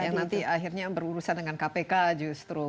yang nanti akhirnya berurusan dengan kpk justru